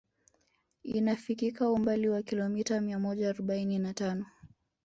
Inafikika umbali wa kilomita mia moja arobaini na tano